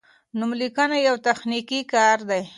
نوملیکنه یو تخنیکي کار دی.